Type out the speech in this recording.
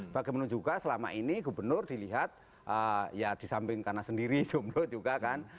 bagaimana juga selama ini gubernur dilihat ya di samping karena sendiri jomblo juga kan